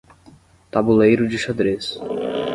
Tabuleiro de xadrez